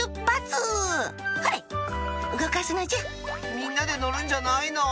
みんなでのるんじゃないの？